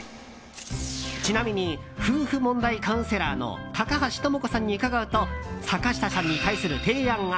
ちなみに夫婦問題カウンセラーの高橋知子さんに伺うと坂下さんに対する提案が。